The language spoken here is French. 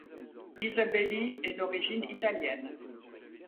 Isabeli est d'origine italienne.